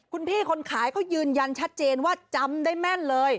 คุณพี่คนขายเขายืนยันชัดเจนว่าจำได้แม่นเลย